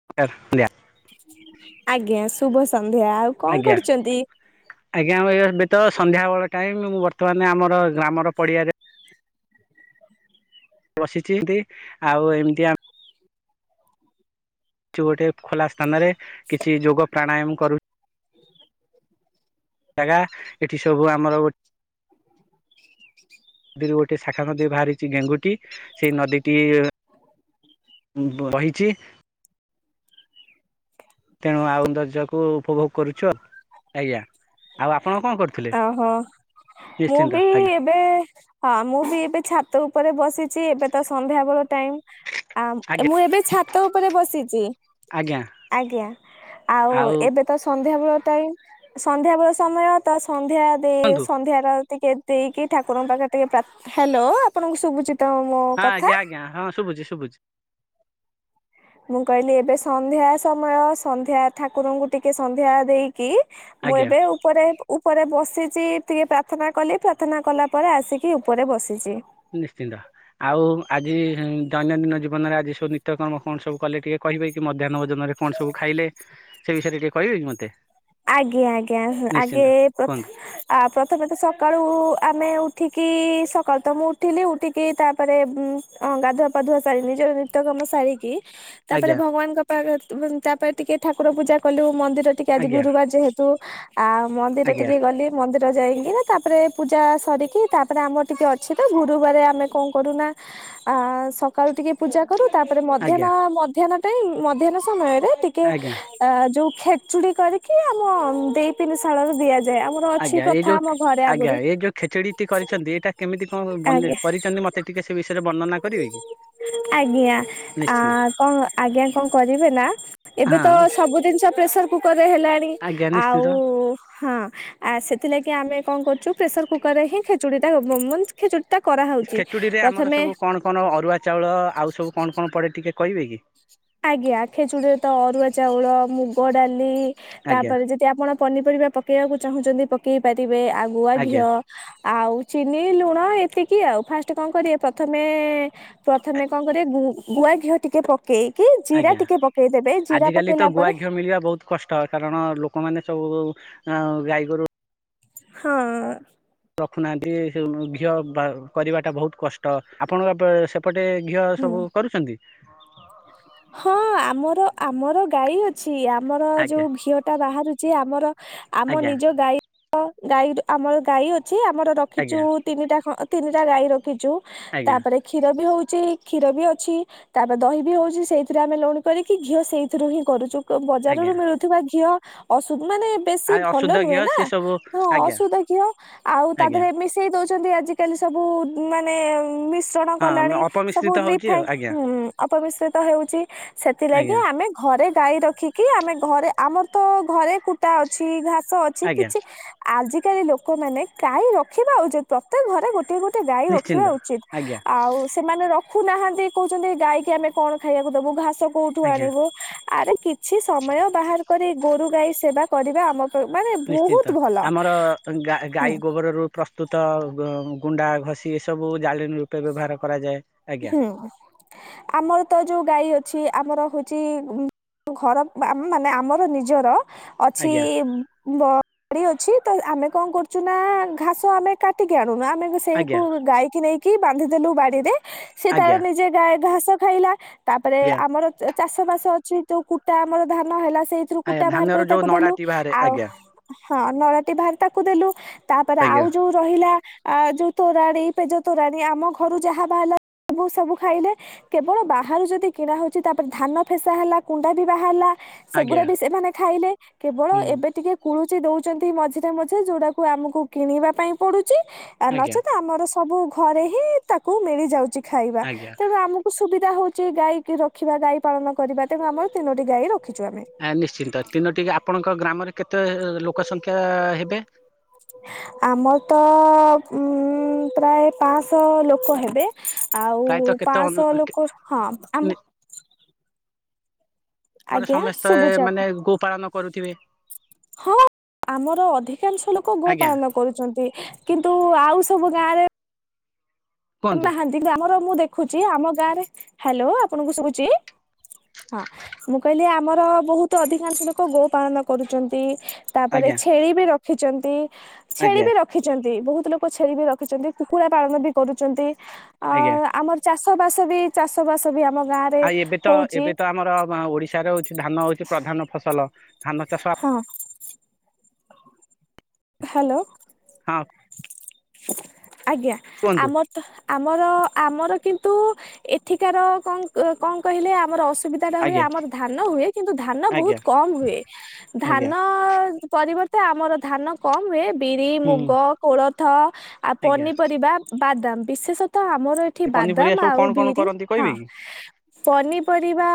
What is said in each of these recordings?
[unintelligible] ଆଜ୍ଞା ଶୁଭ ସନ୍ଧ୍ୟା ଆଉ କଣ କରୁଛନ୍ତି? ଆଜ୍ଞା [unintelligible] ଏବେ ତ ସନ୍ଧ୍ୟା ବେଳ ଟାଇମ ମୁଁ ବର୍ତ୍ତମାନେ ଆମର ଗ୍ରାମର ପଡ଼ିଆରେ ବସିଛି [inaudible] ତି ଆଉ ଏମିତି ଆ ଚୁ ଗୋଟେ ଖୋଲା ସ୍ଥାନରେ କିଛି ଯୋଗ ପ୍ରାଣୟାମ କରୁ [unintelligible] ଜାଗା ଏଠି ସବୁ ଆମର ଗୋ ଦୀରୁ ଗୋଟେ ଶାଖା ନଦୀ ବାହାରିଛି ଗେଙ୍ଗୁଟି ସେଇ ନଦୀଟି ଉଁ ବହିଛି। ତେଣୁ ଆଉ ଦର୍ଜ କୁ ଉପଭୋଗ କରୁଛୁ ଆଜ୍ଞା ଆଉ ଆପଣ କଣ କରୁୁ ତ ହୋ ମୁଁ ବି ଆଜ୍ଞା ଏବେ ହଁ ମୁଁ ବି ଏବେ ଛାତ ଉପରେ ବସିଛି ଏବେ ତ ସନ୍ଧ୍ୟା ବେଳ ଟାଇମ। ଆମ୍ ଆଜ୍ଞା ମୁଁ ଏବେ ଛାତ ଉପରେ ବସିଛି। ଆଜ୍ଞା। ଆଜ୍ଞା ଆଉ ଏବେ ତ ସନ୍ଧ୍ୟାବେଳ ଟାଇମ ସନ୍ଧ୍ୟାବେଳ ସମୟ ତ ସନ୍ଧ୍ୟା ଦେ କୁହନ୍ତୁ ସନ୍ଧ୍ୟାର ଟିକେ ଦେଇକି ଠାକୁରଙ୍କ ପାଖରେ ଟିକିେ ହ୍ୟାଲୋ ଆପଣଙ୍କୁ ସୁଭୁଚିତ ମୋ ହଁ କଥା ଆଜ୍ଞା ଆଜ୍ଞା ହଁ ଶୁଭୁଛି ଶୁଭୁଛି ମୁଁ କହିଲି ଏବେ ସନ୍ଧ୍ୟା ସମୟ ସନ୍ଧ୍ୟା ଠାକୁରଙ୍କୁ ଟିକେ ସନ୍ଧ୍ୟା ଦେଇକି ମୁଁ ଆଜ୍ଞା ଏବେ ଉପରେ ଉପରେ ବସିଛି ଟିକେ ପ୍ରାର୍ଥନା କଲି ପ୍ରାର୍ଥନା କଲା ପରେ ଆସିକି ଉପରେ ବସିଛି ନିଶ୍ଚିନ୍ନ୍ତ ଆଉ ଆଜି ଦୈନନ୍ଦିନ ଜୀବନରେ ଆଜି ସବୁ ନିତ୍ୟକର୍ମ କଣ ସବୁ କଲେ ଟିକେ କହିବେ କି ମଧ୍ୟାହ୍ନ ଜନରେ କଣ ସବୁ ଖାଇଲେ ସେ ବିଷୟରେ ଟିକେ କହିବେ କି ମତେ? ଆଜ୍ଞା ଆଜ୍ଞା ଆଗେ ନିଶ୍ଚିନ୍ତ ପ୍ରଥ କୁହନ୍ତୁ। ଆ ପ୍ରଥମେ ତ ସକାଳୁ ଆମେ ଉଠିକି ସକାଳୁ ତ ମୁଁ ଉଠିଲି ଉଠିକି ତାପରେ ହଁ ଗାଧୁଆ ପାଧୁଆ ଶାରିଲି ନିଜର ନିତ୍ୟକମ ଶାଢୀ କି ତାପରେ ଆଜ୍ଞା ଭଗବାନଙ୍କ ପା ତାପରେ ଟିକେ ଠାକୁର ପୂଜା କଲୁ ମନ୍ଦିର ଟିକେ ଆଜ୍ଞା ଗୁରୁବାର ଯେହେତୁ ଆ ମନ୍ଦିର ଆଜ୍ଞା ଟିକେ ଗଲି ମନ୍ଦିର ଯାଇକି ନା ତାପରେ ପୂଜା ସରିକି ତାପରେ ଆମର ଟିକେ ଅଛି ତ ଗୁରୁବାର ଆମେ କଣ କରୁନା ଆ ସକାଳୁ ଟିକେ ପୂଜା କରୁ ତାପରେ ମଧ୍ୟାହ୍ନ ଆଜ୍ଞା ମଧ୍ୟାହ୍ନ ଟାଇ ମଧ୍ୟାହ୍ନ ସମୟରେ ଟିକେ ଆଜ୍ଞା ଆ ଯୋଉ ଖେଚୁଡି କରିକି ଆମ ଦେଇ ପିନିଶାଳରେ ଦିଆଯାଏ ଆମ ଅଛି ଆଜ୍ଞା ଏ ପ୍ରଥା ଯୋଉ ଘରେ ଆଜ୍ଞା ଆଗରୁ ଏ ଯୋଉ ଖେଚେଡି ଟି କରିଛନ୍ତି ଏଇଟା କେମିତି କଣ ବନି ଆଜ୍ଞା କରିଛନ୍ତି ମତେ ମତେ ଟିକେ ସେ ବିଷୟରେ ବର୍ଣ୍ଣନା କରିବେ କି ଆଜ୍ଞା ଆ ନିଶ୍ଚିନ୍ତ କଣ ଆଜ୍ଞା କଣ କରିବେ ନା ଏବେ ତ ହଁ ସବୁ ଜିନିଷ ପ୍ରେସର କୁକର ରେ ହେଲାଣି ଆଜ୍ଞା ନିଶ୍ଚିନ୍ତ। ଆଉ ହଁ ଆ ସେଥିଲାଗି ଆମେ କଣ କରୁଛୁ ପ୍ରେସର କୁକର ରେ ହିଁ ଖେଚୁଡ଼ିଟା ଖିଚୁଡ଼ି ଟା କରାହେଉଛି ଖେଚୁଡିରେ ଆମର ପ୍ରଥମେ ସବୁ କଣ କଣ ଅରୁଆ ଚାଉଳ ଆଉ ସବୁ କଣ କଣ ପଡ଼େ ଟି କେ କହିବେ କି ଆଜ୍ଞା ଖେଚୁଡ଼ିରେ ତ ଅରୁଆ ଚାଉଳ ମୁଗ ଡାଲି ଆଜ୍ଞା ତାପରେ ଯେ ସେ ଆପଣ ପନିପରିବା ପକାଇବାକୁ ଚାହୁଁଛନ୍ତି ପକାଇ ପାରିବେ ଆଗୁଆ ଆଜ୍ଞା ଘିଅ ଆଉ ଚିନି ଲୁଣ ଏତିକି ଆଉ ଫାଷ୍ଟ କଣ କରିବେ ପ୍ରଥମେ ପ୍ରଥମେ କଣ କରିବେ ଗୁ ଗୁଆ ଘିଅ ଟିକେ ପକେଇ କି ଜିରା ଆଜ୍ଞା। ଟିକେ ପକେଇଦେବେ ଜିରା ଆଜିକାଲି ତ ପକେଇଲା ଗୁଆ ପରେ ଘିଅ ମିଳିବା ବହୁତ କଷ୍ଟ କାରଣ ଲୋକମାନେ ସବୁ ଅ ଗାଈ ଗୋରୁ ହଁ ରଖୁନାହାନ୍ତି ଘିଅ କରିବାଟା ବହୁତ କଷ୍ଟ ଆପଣଙ୍କ ପ ସେ ପଟେ ଘିଅ ହୁଁ ସବୁ କରୁଛନ୍ତି ହଁ ଆମର ଆମର ଗାଈ ଅଛି ଛି ଆମର ଆଜ୍ଞା ଯୋଉ ଘିଅ ଟା ବାହାରୁଛି ଆମର ଆମ ଆଜ୍ଞା ନିଜ ଗାଈ ହ ଗାଈ ଆମର ଗାଈ ଅଛି ଆମର ରଖିଛୁ ଆଜ୍ଞା ତିନିଟା ତିନିଟା ଗାଈ ରଖିଛୁ ଆଜ୍ଞା ତାପରେ କ୍ଷୀର ବି ହଉଛି କ୍ଷୀର ବି ଅଛି ତାପରେ ଦହି ବି ହଉଛି ସେଇଥିରେ ଆମେ ଲହୁଣି କରିକି ଘିଅ ସେଇଥିରୁ ହି କରୁ ବଜାରରୁ ଆଜ୍ଞା ମିଳୁ ଥିବା ଘିଅ ଅସୁ ମାନେ। ବେଶୀ ଆ ଅଶୁଦ୍ଧ ଭଲ ଘିଅ ନୁହେଁ ନା ସେ ସବୁ ହଁ ଆଜ୍ଞା ଅଶୁଧ ଘିଅ ଆଉ ତା ଆଜ୍ଞା ଦେହରେ ମିସ। ସେ ଦଉଛନ୍ତି ଆଜିକାଲି ସବୁ ମାନେମିସ। ଚଣ ହଁ କଲାଣି ସବୁ ଅପମିଶ୍ରିତ ହଉଛି ଆଉ ରିଫାଇନେ ଆଜ୍ଞା ଅପବିଶ୍ରିତ ହେଉଛି ସେଥିଲାଗି ଆଜ୍ଞା ଆମେ। ଘରେ ଗାଈ ରଖିକି ଆମେ ଘରେ ଆମର ତ ଘରେ କୁଟା ଅଛି ଘାସ ଅଛି। ଆଜ୍ଞା କିଛି ଆଜିକାଲି ଲୋକମାନେ ଗାଇ ରଖିବା ଉଚିତ। ପ୍ରତ୍ୟକ ଘରେ ଗୋଟେ ଗୋଟେ। ତେ ଗାଈ ରଖିବା ନିଶ୍ଚିନ୍ତ ଉଚିତ ଆଜ୍ଞା ଆଉ। ସେମାନେ ରଖୁନାହାନ୍ତି କହୁଚନ୍ତି ଗାଈକି ଆମେ କଣ ଖାଇବାକୁ ଦବୁ ଘାସ କଉଠୁ ଆଜ୍ଞା ଆଣିବୁ ଆରେ କିଛି ସମୟ ବାହାର କରି ଗୋରୁ ଗାଈ ସେବା କରିବା ଆମ ମାନେ ବହୁତ ନିଶ୍ଚିନ୍ତ ଭଲ ଆମର ଗା- ହୁଁ ଗାଈ ଗୋବରରୁ ପ୍ରସ୍ ସ୍ତୁତ ଗୁଣ୍ଡା ଘଷି ଏସବୁ ଜାଳିଣୀ ରୂପେ ବ୍ୟବହାର କରାଯାଏ। ଆଜ୍ଞା ହୁଁ ଆମର ତ ଯଉ ଗାଈ ଅଛି ଆମର ହଉଚି ଘର ଆ-ମାନେ ଆମର ନିଜର ଅଛି ଆଜ୍ଞା ବ ବାଡି ଅଛି ତ ଆମେ କଣ କରୁଚୁ ନା ଘାସ ଆମେ କାଟିକି ଆଣୁନୁ ଆମେ ସେଇ ଆଜ୍ଞା କୁ ଗାଈକି ନେଇକି ବାନ୍ଧିଦେଲୁ ବାଡିରେ ସେ ତାର ଆଜ୍ଞା ନିଜେ ଗାଈ ଘାସ ଖାଇଲା ତାପରେ ଆଜ୍ଞା ଆମର ଏ ଚାଷ ବାସ ଅଛି ଯଉ କୁଟା ଆମର ଧାନ ହେଲା ସେଇଥିରୁ ଆଜ୍ଞା କୁଟା ବାହାର ଧାନର କରି ଯୋଉ ତାକୁ ଦେଲୁ ନଡାଟି ବାହାରେ ଆଉ ଆଜ୍ଞା ହଁ ନଡାଟି ବାହାରି ତାକୁ ଦେଲୁ ତାପରେ ଆଜ୍ଞା ଆଉ ଯଉ ରହିଲା ଆ ଯଉ ତୋରାଣି ପେଜ ତୋରାଣୀ ଆମ ଘରୁ ଯାହା ବାହାରିଲା ସବୁ -ସବୁ ଖାଇଲେ। କେବଳ ବାହାରୁ ଯଦି କିଣା ହଉଚି ତାପରେ ଧାନ ଫେସା ହେଲା କୁଣ୍ଡା ବି ବାହାରିଲା ସେଗୁଡା ଆଜ୍ଞା ବି ସେମାନେ ଖାଇଲେ କେବଳ ହୁଁ ଏବେ ଟିକେ କୁଳୁଚି ଦଉଚନ୍ତି ମଝିରେ ମଝିରେ ଯଉଟାକୁ ଆମକୁ କିଣିବା ପାଇଁ ପଡୁଚି ଆ ଆଜ୍ଞା ନଚେତ ଆମର ସବୁ ଘରେ ହିଁ ତାକୁ ମିଳି ଯାଉଚି ଖାଇବା ଆଜ୍ଞା ତେଣୁ ଆମକୁ ସୁବିଧା ହଉଚି ଗାଈକି ରଖିବା ଗାଈ ପାଳନ କରିବା ତେଣୁ ଆମର ତିନୋଟି ଗାଈ ରଖିଚୁ ଆମେ। ନିଶ୍ଚିନ୍ତ ତିନୋଟି- ଆପଣଙ୍କ ଗ୍ରାମରେ କେତେ ଲୋକ ସଂଖ୍ୟା ହେବେ? ଆମର ତ ଉଁ- ପ୍ରାୟେ ପାଁଅଶ ଲୋକ ହେବେ। ଆଉ ପ୍ରାୟତଃ କେତେ ଅନୁ ପାଁଅଶ ଲୋକ ହଁ ଆମ ତମର ଆଜ୍ଞା ସମସ୍ତେ ଶୁଭୁଛି ଆପଣ ମାନେ ଗୋ ପାାଳନ କରୁଥିବେ? ହଁ ଆମର ଅଧିକାଂଶ ଲୋକ ଆଜ୍ଞା ଗୋପାଳନ କରୁଚନ୍ତି କିନ୍ତୁ ଆଉ ସବୁ ଗାଁ ରେ କୁହନ୍ତୁ ନାହାନ୍ତି ଗ୍ରାମର ମୁଁ ଦେଖୁଚି ଆମ ଗାଁରେ- ହାଲୋ ଆପଣଙ୍କୁ ଶୁବୁଚି? ହଁ- ମୁଁ କହିଲି ଆମର ବହୁତୁ ଅଧିକାଂଶ ଲୋକ ଗୋ ପାଳନ କରୁଚନ୍ତି। ତାପରେ ଆଜ୍ଞା ଛେଳି ବି ରଖିଚନ୍ତି ଛେଳି ଆଜ୍ଞା ବି ରଖ୍ ରଖିଚନ୍ତି ବହୁତ୍ ଲୋକ ଛେଳି ବିି ରଖିଚନ୍ତି କୁକୁଡା ପାଳନ ବି କରୁଚନ୍ତି ଆଜ୍ଞା ଆ-ଆମର ଚାଷ ବାସ ବି ଚାଷ ବାସ ବି ଆମ ଗାଁରେ ଆଉ ଏବେ ତ ଏବେ ତ ଆମର ଓଡିଶାରେ ହଉଚି ଧାନ ହଉଚି ପ୍ରଧାନ ଫସଲ ଧାନ ଚାଷ ହଁ। ହାଲୋ। ହଁ। ଆଜ୍ଞା କୁହନ୍ତୁ ଆମର୍ ଆମର- ଆମର କିନ୍ତୁ ଏଠିକାର କଣ୍-କଣ୍ କହିଲେ ଆମର ଅସୁବିଧ୍ ବିଧା ହୁଏ ଆଜ୍ଞା ଆମର ଧାନ ହୁଏ କିନ୍ତୁ ଧାନ ଆଜ୍ଞା ବହୁତ୍ କମ୍ ହୁଏ ଧାନ ଆଜ୍ଞା ପରିବର୍ତ୍ତେ ତେ ଆମର ଧାନ କମ୍ ହୁଏ ବିରି, ହୁଁ ମୁଗ, କୋଳଥ, ଆଉ ଆଜ୍ଞା ପନିପରିବା ବାଦାମ୍ ବିଶେଷତଃ ଆମର ଏଠି ପନିପରିବା ବାଦାମ୍ ସବୁ ଆଉ କଣ କଣ ବିରି କରନ୍ତି କହିବେ ହଁ- କି ପନିପରିବା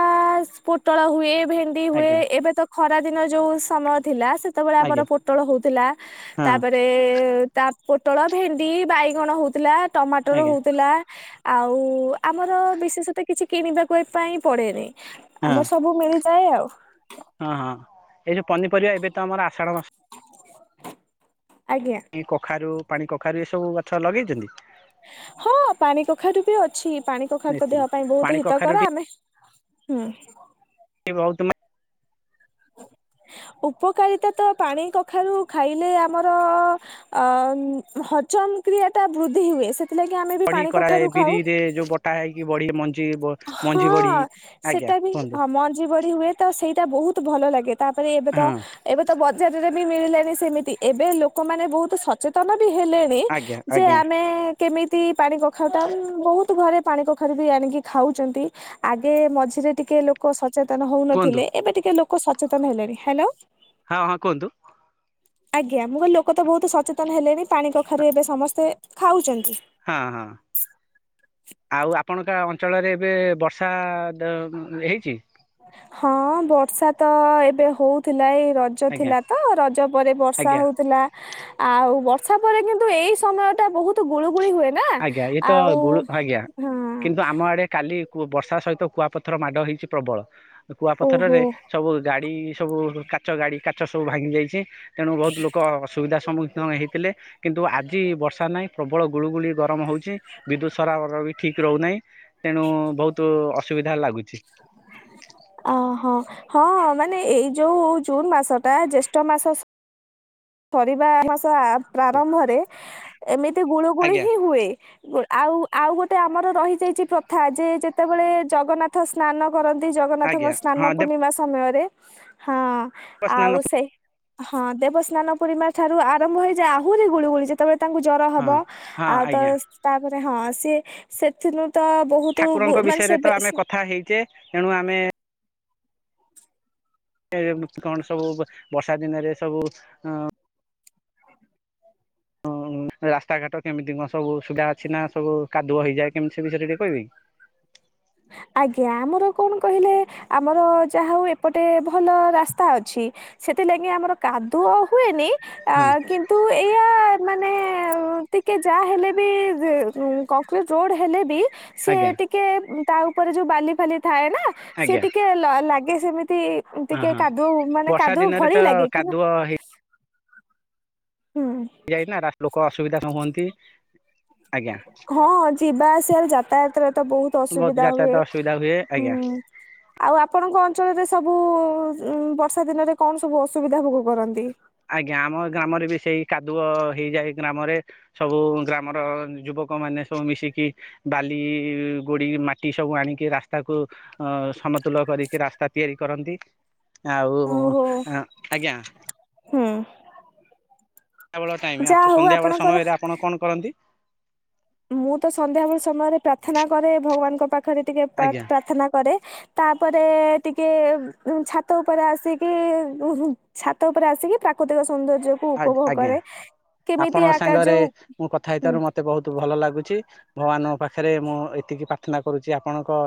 ପୋଟଳ ହୁଏ ଭେଣ୍ଡି ହୁଏ ଆଜ୍ଞା ଏବେ ତ ଖରାଦିନରେ ଯଉ ସମୟ ଥିଲା ସେତେବଳେ ଆମର ଆଜ୍ଞା ପୋଟଳ ହଉଥିଲା ହଁ ତାପରେ ତା ପୋଟଳ, ଭେଣ୍ଡି, ବାଇଗଣ, ହଉଥିଲା ଟମାଟର ଆଜ୍ଞା ହଉଥିଲା। ଆଉ ଆମର ବିଶେଷତଃ କିଛି କିଣିବାକୁ ହେଇଥିପାଇଁ ପଡେନି। ହଁ ଆମର ସବୁ ମିଳିଯାଏ ଆଉ। ହଁ -ହଁ ଏଇ ଯଉ ପନିପରିବା ଏବେ ତ ଆମର ଆଷାଢ ମାସ ଆଜ୍ଞା। କଖାରୁ, ପାଣି କଖାରୁ ଏ ସବୁ ଗଛ ଲଗେଇଚନ୍ତି? ହଁ ପାଣି କଖାରୁୁ ବି ଅଛି, ପାଣି କଖାରୁ ତ ନିଶ୍ଚିନ୍ତ। ଦେହ ପାଇଁ ପାଣି ବହୁତ କଖାରୁ ହିତକର ଆମେ ହୁଁ। ବହୁତ ଉପକାରିତା ତ ପାଣି କଖାରୁ ଖାଇଲେ ଆମର ଅ ହଜମ କ୍ରିୟା ଟା ବୃଦ୍ଧି ହୁଏ ସେଥିଲାଗି ଆମେ ବି ପାଣି କଖାରୁ ଖାଉ। ଏ ଯୋଉ ବଟା ହେଇକି ବଡି ମଞ୍ଜି ମଞ୍ଜି ବଢି ହଁ ଆଜ୍ଞା ସେଟା ବି। କୁହନ୍ତୁ ହଁ ମଞ୍ଜି ବଡି ହୁଏ। ତ ସେଇଟା ବହୁତୁ ଭଲ ଲାଗେ, ତାପରେ ଏବେ ତ ହଁ ଏବେ ତ ବଜାରରେ ମିଳିଲାଣି ସେମିତି, ଏବେ ଲୋକମାନେ ବହୁତୁ ସଚେତନ ବି ହେଲେଣି ଆଜ୍ଞା ଯେ ଆଜ୍ଞା ଆମେ କେମିତି ପାଣି କଖାରୁଟା, ବହୁତୁ ଘରେ ପାଣି କଖାରୁ ବି ଆଣିକି ଖାଉଚନ୍ତି, ଆଗେ ମଝିରେ ଟିକେ ଲୋକ ସଚେତନ କୁହନ୍ତୁ ହଉନଥିଲେ ଏବେ ଟିକେ ଲୋକ ସଚେତନ ହେଲେଣିି। ହ୍ୟାଲୋ। ହଁ ହଁ କୁହନ୍ତୁ। ହ [inaudible] ଆଜ୍ଞା, ମୁଁ କହିଲି ଲୋକ ତ ବହୁତୁ ସଚେତନ ହେଲେଣି ପାଣି କଖାରୁ ଏବେ ସମସ୍ତେ ଖାଉଚନ୍ତି। ହଁ ହଁ। ଆଉ ଆପଣଙ୍କ ଅଞ୍ଚଳରେ ଏବେ ବର୍ଷା ହେଇଚି? ହଁ ବର୍ଷା ତ ଏବେ ହଉଥିଲା ଏଇ ରଜ ରଜ ଆଜ୍ଞା ଥିଲା ତ ରଜ ପରେ ବର୍ଷା ଆଜ୍ଞା ହଉଥିଲା। ଆଉ ବର୍ଷା ପରେ କିନ୍ତୁ ଏଇ ସମୟ ଟା ବହୁତୁ ଗୁଳୁଗୁଳି ହୁଏ। ନା। ଆଜ୍ଞା ଇଏ ତ ଆଉ ଗୁଳୁ ଆଜ୍ଞା ହଁ କିନ୍ତୁ ଆମ ଆଡେ କାଲି ବର୍ଷା ସହିତ କୁଆପଥର ମାଡ଼ ହେଇଚି ପ୍ରବଳ। ଓହୋ। କୁଆପଥରରେ ସବୁ ଗାଡ଼ି ସବୁ କାଚ ଗାଡ଼ି କାଚ ସବୁ ଭାଙ୍ଗି ଯାଇଚି ତେଣୁ ବହୁତ୍ ଲୋକ ସୁବିଧା ସମ୍ମୁଖୀନ ହେଇଥିଲେ କିନ୍ତୁ ଆଜି ବର୍ଷା ନାହିଁ ପ୍ରବଳ ଗୁଳୁଗୁଳି ଗର ଗରମ ହଉଚି, ବିଦ୍ୟୁତ ସରାବର ବି ଠିକ୍ ରହୁନାହିଁ ତେଣୁ ବହୁତୁ ଅସୁବିଧା ଲାଗୁଚି। ହ [inaudible] ଅହଁ, ହଁ ମାନେ ଏଇ ଯୋଉ ଜୁନ୍ ମାସଟା ଜ୍ୟେଷ୍ଠ ମାସ ସରିବା ମାସ ପ୍ରାରମ୍ଭରେ ଏମିତି ଗୁଳୁ ଗୁଳି ଆଜ୍ଞା ହିଁ ହୁଏ। ଆଉ ଆଉ ଗୋଟେ ଆମର ରହିଯାଇଚି ପ୍ରଥା ଯେ ଯେତେବେଳେ ଜଗନ୍ନାଥ ସ୍ନାନ କରନ୍ତି ଜଗନ୍ନାଥଙ୍କ ଆଜ୍ଞା ସ୍ନାନ ହଁ ପୂର୍ଣ୍ଣିମା ସମୟରେ ହଁ ଦେବସ୍ନାନ ଆଉ ସେ, ହଁ ଦେବସ୍ନାନ ପୂର୍ଣ୍ଣିମା ଠାରୁ ଆରମ୍ଭ ହେଇଯାଏ ଆହୁରି ଗୁଳୁଗୁଳି ଯେତେବେଳେ ତାଙ୍କୁ ଜ୍ଵର ହବ ହଁ ହଁ ଆଉ ତ ଆଜ୍ଞା ତାପରେ ହଁ ସିଏ ସେଥିନୁ ତ ବହୁତ୍ ଠାକୁରଙ୍କ ବିଷୟରେ ତ ଆମେ କଥା ହେଇଚେ ତେଣୁ ଆମେ ଏ କଣ ସବୁ ବର୍ଷା ଦିନେରେ ସବୁ ହଁ ରାସ୍ତାଘାଟ କେମିତି କଣ ସବୁ ସୁବିଧା ଅଛି ନା ସବୁ କାଦୁଅ ହେଇଯାଏ କେମିତି ସେ ବିଷୟରେ ଟିକେ କହିବେ କି? ଆଜ୍ଞା, ଆମର କଣ କହିଲେ ଆମର ଯାହା ହେଉ ଏପଟେ ଭଲ ରାସ୍ତା ଅଛି। ସେଥିଲାଗି ଆମର କାଦୁଅ ହୁଏନି ଆ ହଁ କିନ୍ତୁ ଏଇଆ ମାନେ ଟିକେ ଯାହା ହେଲେ ବି କଂକ୍ରିଟରୋଡ ହେଲେ ବି ସେ ଆଜ୍ଞା ଟିକେ ତା ଉପରେ ଯୋଉ ବାଲି ଫାଲି ଥାଏ ନା ସେ ଆଜ୍ଞା ଟିକେ ଲାଗେ ସେମିତି ହଁ ଟିକେ ହଁ କାଦୁଅ, ମାନେ ବର୍ଷା କାଦୁଅ ଦିନରେ ତ ଭଳି ଲାଗେ କିନ୍ତୁ କାଦୁଅ ହୁଁ ଲୋକ ଅସୁବିଧା ନ ହୁଅନ୍ତି। ଆଜ୍ଞା। ହଁ ଯିବା ଆସିଆରେ ଯାତାୟତରେ ତ ବହୁତ୍ ବହୁତ ଅସୁବିଧା ଯାତାୟାତ ହୁଏ। ଅସୁବିଧା ହୁଏ, ଆଜ୍ଞା। ହୁଁ ଆଉ ଆପଣଙ୍କ ଅଞ୍ଚଳରେ ସବୁ ବର୍ଷା ଦିନରେ କଣ ସବୁ ଅସୁବିଧା ଭୋଗ କରନ୍ତି? ଆଜ୍ଞା ଆମ ଗ୍ରାମରେ ବି ସେଇ କାଦୁଅ ହେଇଯାଏ ଗ୍ରାମରେ। ସବୁ ଗ୍ରାମର ଯୁବକ ମାନେ ସବୁ ମିଶିକି ବାଲି, ଗୋଡି, ମାଟି ସବୁ ଆଣିକି ରାସ୍ତାକୁ ଅ ସମତୁଲ କରିକି ରାସ୍ତା ତିଆରି କରନ୍ତି, ଓହୋ ଆଉ ଆଜ୍ଞା ହୁଁ। ସନ୍ଧ୍ୟାବେଳ ଟାଇମ ଯାହା ଆପ ହଉ ସନ୍ଧ୍ୟାବେଳ ଆପଣଙ୍କର ସମୟ ରେ ଆପଣ କଣ କରନ୍ତି? ମୁଁ ତ ସନ୍ଧ୍ୟାବେଳ ସମୟରେ ପ୍ରାର୍ଥନା କରେ ଭଗବାନଙ୍କ ପାଖରେ ଟିକେ ଆଜ୍ଞା ପ୍ରାର୍ଥନା କରେ। ତାପରେ ଟିକେ ଛାତ ଉପରେ ଆସିକି ଉହୁଂ ଛାତ ଉପରେ ଆସିକି ପ୍ରାକୃତିକ ସୌନ୍ଦର୍ଯ୍ୟ କୁ ଆ ଉପଭୋଗ ଆଜ୍ଞା କରେ। କେମିତି ଆପଣଙ୍କ ଆକାର ସାଙ୍ଗରେ ଯୋଉ ମୁଁ କଥା ହୁଁ। ହେଇଥିବାରୁ ମତେ ବହୁତ ଭଲ ଲାଗୁଛି ଭଗବାନଙ୍କ ପାଖରେ ମୁଁ ଏତିକି ପ୍ରାର୍ଥନା କରୁଛି ଆପଣଙ୍କ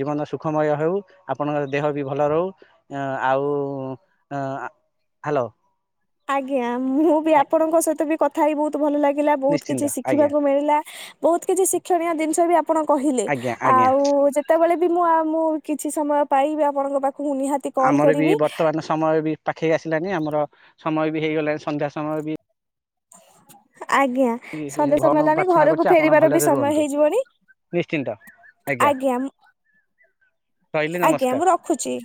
ଜୀବନ ସୁଖମୟ ହଉ, ଆପଣଙ୍କର ଦେହ ବି ଭଲ ରହୁ। ଆଉ ଆ ହ୍ୟାଲୋ। ଆଜ୍ଞା ମୁଁ ବି ଆପଣଙ୍କ ସହିତ ବି କଥା ହେଇ ବହୁତ ଭଲ ଲାଗିଲା ବହୁତ କିଛି ନିଶ୍ଚିନ୍ତ ଆଜ୍ଞା। ଶିଖିବାକୁ ମିଳିଲା। ବହୁତ କିଛି ଶିକ୍ଷଣୀୟ ଜିନିଷ ବି ଆପଣ କହିଲେ ଆଜ୍ଞା ଆଜ୍ଞା ଆଉ ଯେ ଯେତେବେଳେ ବି ମୁଁ ଆଉ ମୁଁ କିଛି ସମୟ ପାଇଵି ଆପଣଙ୍କ ପାଖକୁ ମୁଁ ନିହାତି କଲ୍ ଆମର ବି କରିବି। ବର୍ତ୍ତମାନ ସମୟ ବି ପାଖେଇ ଆସିଲାନି, ଆମର ସମୟ ବି ହେଇଗଲା ସନ୍ଧ୍ୟା ସମୟ ବି। ଆଜ୍ଞା ସନ୍ଧ୍ୟା ସମୟ ଭଗବାନଙ୍କୁ ହେଲାଣି ପ୍ରାର୍ଥନା କରୁଛି ଘରକୁ ଆପଣ ଫେରିବାର ଭଲରେ ବି ସମୟ ରୁହନ୍ତୁ। ହେଇଯିବଣି? ନିଶ୍ଚିନ୍ତ ଆଜ୍ଞା ରହିଲି ନମସ୍କାର। ଖୁଛି।